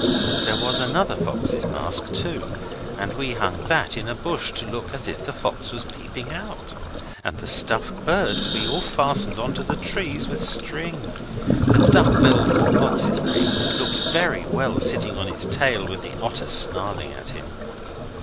There was another fox's mask, too, and we hung that in a bush to look as if the fox was peeping out. And the stuffed birds we fastened on to the trees with string. The duck bill what's its name? looked very well sitting on his tail with the otter snarling at him.